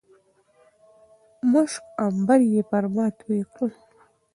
مښک، عنبر يې په ما توى کړل